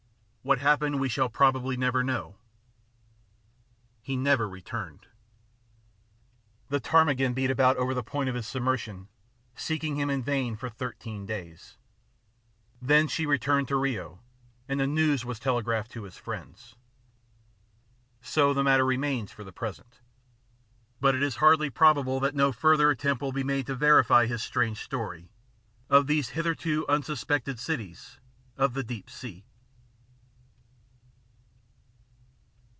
What happened we shall probably never know. He never returned. The Ptarmigan beat about over the point of his submersion, seeking him in vain for thirteen days. Then she returned to Rio, and the news was telegraphed to his friends. So the matter remains for the present. But it is hardly probable that no further attempt will be made to verify his strange story of these hitherto unsuspected cities of the deep sea.